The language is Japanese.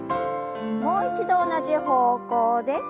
もう一度同じ方向で。